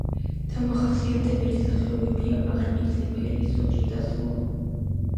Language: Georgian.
დამახასიათებელი სახეობებია: არყი, წიფელი, სოჭი და სხვა.